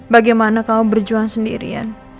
bagaimana kamu berjuang sendirian